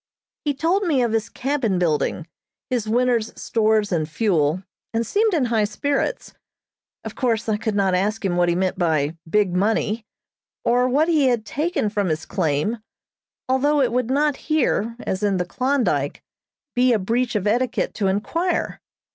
He told me of his cabin building, his winter's stores and fuel, and seemed in high spirits. Of course I could not ask him what he meant by "big money," or what he had taken from his claim, although it would not here, as in the Klondyke, be a breach of etiquette to inquire.